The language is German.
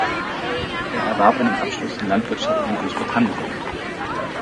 Er erwarb einen Abschluss in Landwirtschaft in Großbritannien.